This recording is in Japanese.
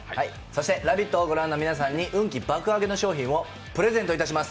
「ラヴィット！」を御覧の皆さんに運気爆アゲの商品をプレゼントいたします。